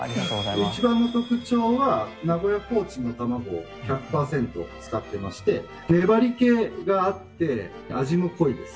「一番の特徴は名古屋コーチンの卵を１００パーセント使ってまして粘り気があって味も濃いです」